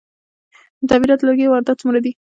د تعمیراتي لرګیو واردات څومره دي؟